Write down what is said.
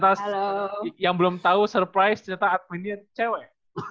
ternyata yang belum tahu surprise ternyata adminnya cewek